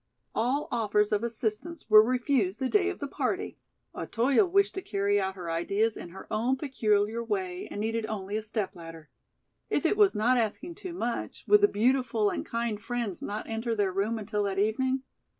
All offers of assistance were refused the day of the party. Otoyo wished to carry out her ideas in her own peculiar way and needed only a step ladder. If it was not asking too much, would the beautiful and kind friends not enter their room until that evening?